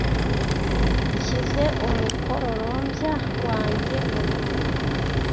Nshyize umukororombya wanjye mu bicu.